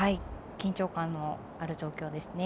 緊張感のある状況ですね。